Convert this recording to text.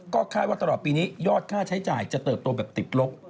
ก็คาดว่าตลอดปีนี้ยอดค่าใช้จ่ายจะเติบโตแบบติดลบ